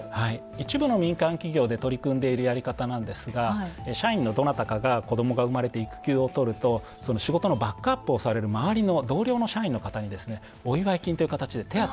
一部の民間企業で取り組んでいるやり方なんですが社員のどなたかが子どもが生まれて育休を取るとその仕事のバックアップをされる周りの同僚の社員の方にですねお祝い金という形で手当が払われると。